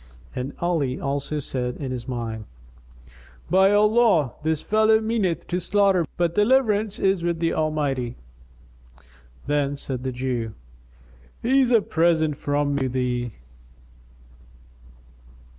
And Ali also said in his mind, "By Allah, this fellow meaneth to slaughter me; but deliverance is with the Almighty." Then said the Jew, "He is a present from me to thee."